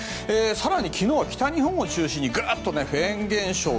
更に昨日は北日本を中心にグーンとフェーン現象。